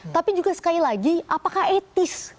tapi juga sekali lagi apakah etis